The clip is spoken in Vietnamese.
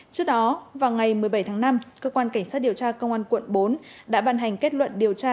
trước đó vào ngày một mươi bảy tháng năm cơ quan cảnh sát điều tra công an quận bốn đã bàn hành kết luận điều tra